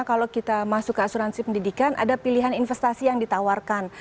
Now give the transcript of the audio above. kalau kita masuk ke asuransi pendidikan ada pilihan investasi yang ditawarkan